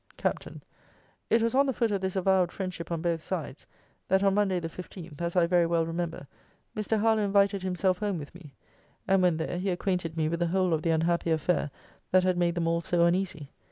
Capt. 'It was on the foot of this avowed friendship on both sides, that on Monday the 15th, as I very well remember, Mr. Harlowe invited himself home with me. And when there, he acquainted me with the whole of the unhappy affair that had made them all so uneasy.